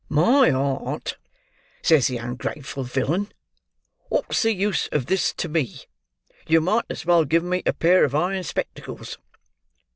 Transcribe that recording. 'My heart!' says the ungrateful villain, 'what's the use of this to me? You might as well give me a pair of iron spectacles!